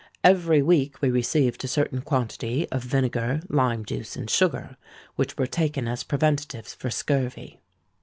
Every week we received a certain quantity of vinegar, lime juice, and sugar, which were taken as preventatives for scurvy.